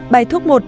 bài thuốc một